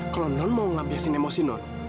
kalau non mau ngabisin emosi non